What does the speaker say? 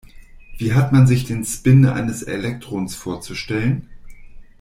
Wie hat man sich den Spin eines Elektrons vorzustellen?